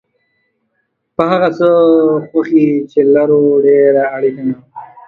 په هغه څه خوښي چې لرو ډېره اړینه ده.